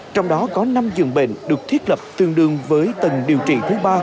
trong đó có năm dường bệnh được thiết lập tương đương với tầng điều trị thứ ba